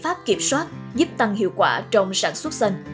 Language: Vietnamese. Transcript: pháp kiểm soát giúp tăng hiệu quả trong sản xuất xanh